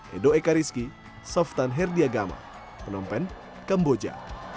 edo ekariski softan herdiagama penompen kamboja